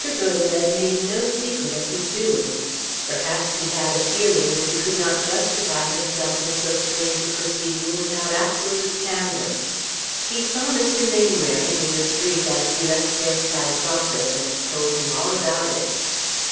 Gotobed made no secret of his doings. Perhaps he had a feeling that he could not justify himself in so strange a proceeding without absolute candour. He saw Mr. Mainwaring in the street as he left Bearside's office and told him all about it.